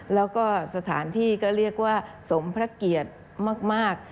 แล้วก็สถานที่ก็เรียกว่าสมพระเกียรติมาก